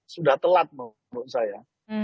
sudah telat menurut saya